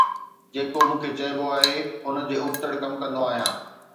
جيڪو مون کي چئبو آهي ان جي ابتڙ ڪم ڪندو آهيان